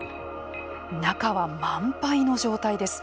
中は、満杯の状態です。